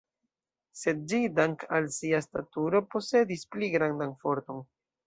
Sed ĝi, dank' al sia staturo, posedis pli grandan forton.